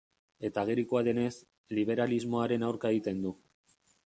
Eta agerikoa denez, liberalismoaren aurka egiten du.